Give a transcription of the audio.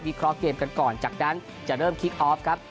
เคราะห์เกมกันก่อนจากนั้นจะเริ่มคลิกออฟครับ